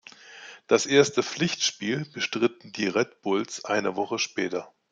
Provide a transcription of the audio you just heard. Das erste Pflichtspiel bestritten die Red Bulls eine Woche später.